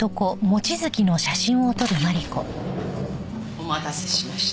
お待たせしました。